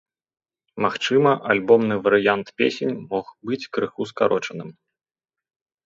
Магчыма, альбомны варыянт песень мог быць крыху скарочаным.